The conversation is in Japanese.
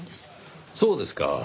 そうですか。